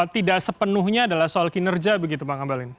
tidak sepenuhnya adalah soal kinerja begitu pak ngabalin